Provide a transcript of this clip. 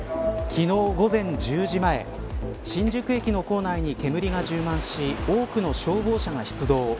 昨日午前１０時前新宿駅の構内に煙が充満し多くの消防車が出動。